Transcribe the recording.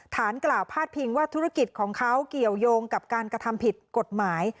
กล่าวพาดพิงว่าธุรกิจของเขาเกี่ยวยงกับการกระทำผิดกฎหมาย